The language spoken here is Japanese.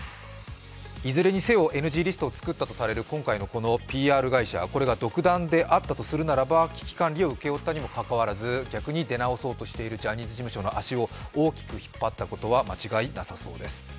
いずれにせよ、ＮＧリストを作ったとするＰＲ会社、危機管理を請け負ったにもかかわらず逆に出直そうとしているジャニーズ事務所の足を大きく引っ張ったことは間違いなさそうです。